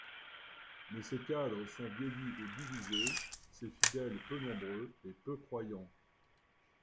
Mais ses cadres sont vieillis et divisés, ses fidèles, peu nombreux et peu croyants.